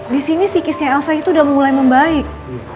disini psikisnya elsa itu udah mulai membaik